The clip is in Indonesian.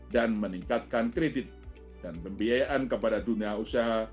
dan meningkatkan kredit dan pembiayaan kepada dunia usaha